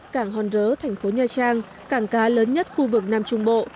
cảng hòn rớ thành phố nha trang cảng cá lớn nhất khu vực nam trung bộ